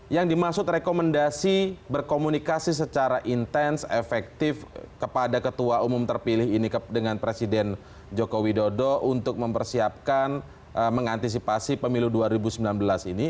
yang dimaksud rekomendasi berkomunikasi secara intens efektif kepada ketua umum terpilih ini dengan presiden joko widodo untuk mempersiapkan mengantisipasi pemilu dua ribu sembilan belas ini